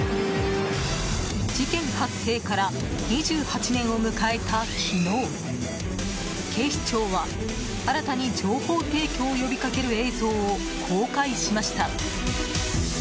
事件発生から２８年を迎えた昨日警視庁は新たに情報提供を呼びかける映像を公開しました。